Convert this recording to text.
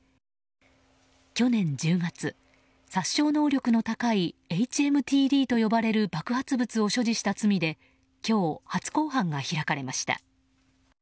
去年１０月、殺傷能力の高いＨＭＴＤと呼ばれる爆発物を所持した罪で今日、初公判が開かれました。